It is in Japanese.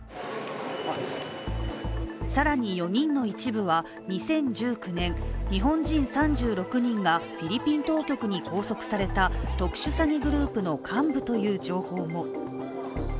更に４人の一部は、２０１９年、日本人３６人がフィリピン当局に拘束された特殊詐欺グループの幹部という情報も。